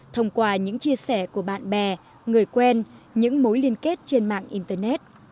thông qua những chia sẻ của bạn bè người quen những mối liên kết trên mạng internet